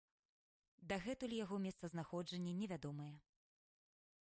Дагэтуль яго месцазнаходжанне невядомае.